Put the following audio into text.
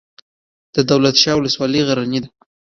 د دولت شاه ولسوالۍ غرنۍ ده